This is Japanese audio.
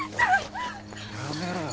やめろよ。